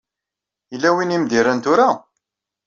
Yella win i m-d-yerran tura?